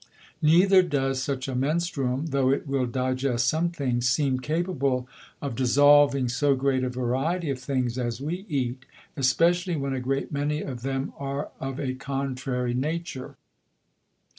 Neither does such a Menstruum, tho' it will digest some things, seem capable of dissolving so great a Variety of Things as we eat, especially when a great many of them are of a contrary Nature.